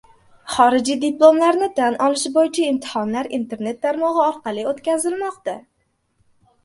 Xorijiy diplomlarni tan olish bo‘yicha imtihonlar internet tarmog‘i orqali o‘tkazilmoqda